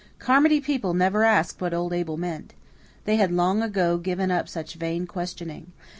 Carmody people never asked what old Abel meant. They had long ago given up such vain questioning.